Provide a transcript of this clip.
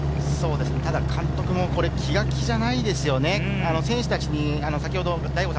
ただ監督は気が気じゃないですね。